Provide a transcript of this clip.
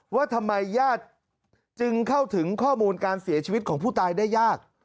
ว่าทำไมญาติจึงเข้าถึงข้อมูลการเสียชีวิตของผู้ตายได้ยาก